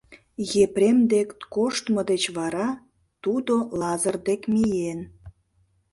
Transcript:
Епрем дек коштмо деч вара тудо Лазыр дек миен.